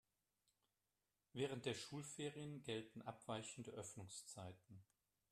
Während der Schulferien gelten abweichende Öffnungszeiten.